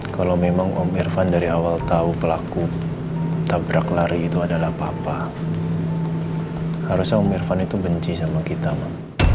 kalau memang om irfan dari awal tahu pelaku tabrak lari itu adalah papa harusnya om irfan itu benci sama kita pak